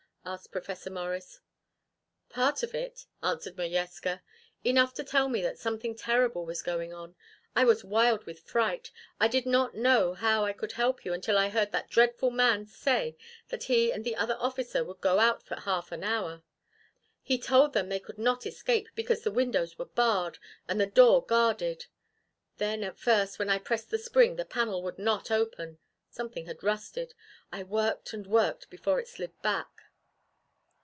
asked Professor Morris. "Part of it," answered Modjeska. "Enough to tell me that something terrible was going on. I was wild with fright. I did not know how I could help you until I heard that dreadful man say that he and the other officer would go out for half an hour. And mother, he told them they could not escape, because the windows were barred, and the door guarded. Then at first, when I pressed the spring, the panel would not open. Something had rusted. I worked and worked before it slid, back."